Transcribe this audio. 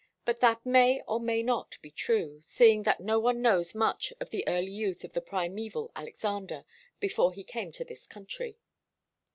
But that may or may not be true, seeing that no one knows much of the early youth of the primeval Alexander before he came to this country.